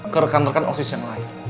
ke rekan rekan osis yang lain